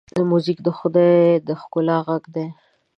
موزیک د خدای د ښکلا غږ دی.